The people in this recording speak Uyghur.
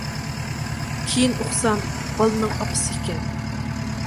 كېيىن ئۇقسام، بالىنىڭ ئاپىسى ئىكەن.